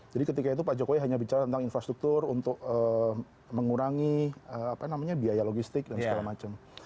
jadi ketika itu pak jokowi hanya bicara tentang infrastruktur untuk mengurangi biaya logistik dan segala macam